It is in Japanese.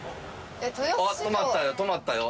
止まったよ